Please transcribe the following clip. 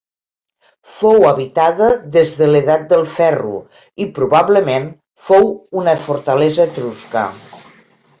Fou habitada des de l'edat del ferro i, probablement, fou una fortalesa etrusca.